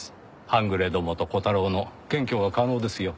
半グレどもと虎太郎の検挙が可能ですよ。